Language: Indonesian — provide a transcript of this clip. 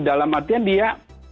dalam artian dia